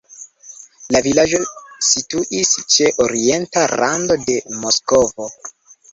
La vilaĝo situis ĉe orienta rando de Moskvo.